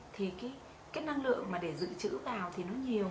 thì cái năng lượng để giữ chữ vào thì nó nhiều